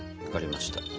分かりました。